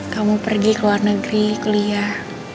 kamu pergi ke luar negeri ke leah